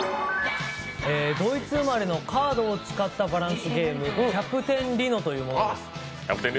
ドイツ生まれのカードを使ったバランスゲーム「キャプテン・リノ」というものです。